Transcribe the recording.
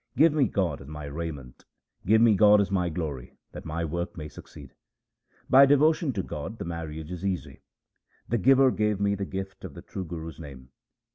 Give me God as my raiment ; give me God as my glory that my work may succeed. By devotion to God the marriage is easy ; the Giver gave me the gift of the true Guru's name.